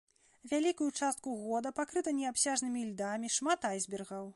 Вялікую частку года пакрыта неабсяжнымі льдамі, шмат айсбергаў.